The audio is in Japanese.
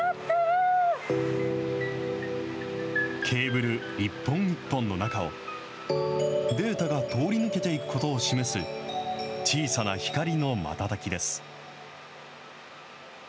ケーブル一本一本の中をデータが通り抜けていくことを示す、小さな光の瞬きです。